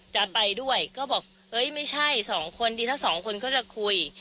จะไปด้วยก็บอกเฮ้ยไม่ใช่สองคนดีถ้าสองคนก็จะคุย